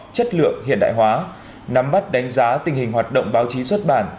chất lượng hiện đại hóa nắm bắt đánh giá tình hình hoạt động báo chí xuất bản